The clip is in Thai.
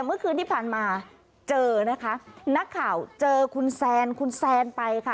เมื่อคืนที่ผ่านมาเจอนะคะนักข่าวเจอคุณแซนคุณแซนไปค่ะ